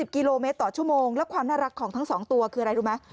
กิโลเมตรต่อชั่วโมงแล้วความน่ารักของทั้ง๒ตัวคืออะไรรู้ไหม